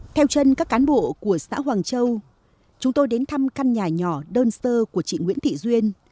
theo chân các cán bộ của xã hoàng châu chúng tôi đến thăm căn nhà nhỏ đơn sơ của chị nguyễn thị duyên